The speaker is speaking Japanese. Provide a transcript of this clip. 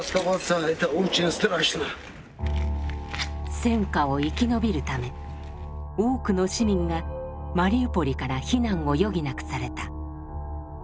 戦禍を生き延びるため多くの市民がマリウポリから避難を余儀なくされた。